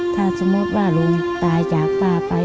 ถ้าสมมุติว่าลุงตายจากป้าไป